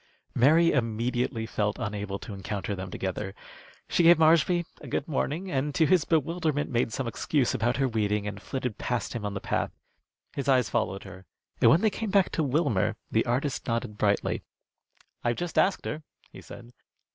Mary immediately felt unable to encounter them together. She gave Marshby a good morning, and, to his bewilderment, made some excuse about her weeding and flitted past him on the path. His eyes followed her, and when they came back to Wilmer the artist nodded brightly. "I've just asked her," he said.